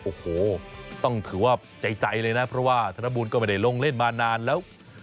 โอ้โหต้องถือว่าใจเลยนะเพราะว่าธนบูลก็ไม่ได้ลงเล่นมานานแล้ว